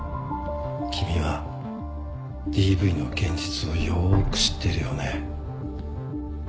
君はＤＶの現実をよく知ってるよね。